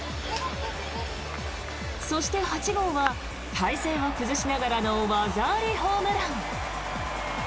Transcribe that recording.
そして８号は体勢を崩しながらの技ありホームラン。